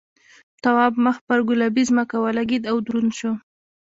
تواب مخ پر گلابي ځمکه ولگېد او دروند شو.